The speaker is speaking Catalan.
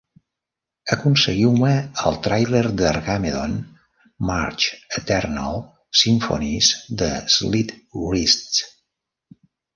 Aconseguiu-me el tràiler d'Armageddon March Eternal – Symphonies de Slit Wrists.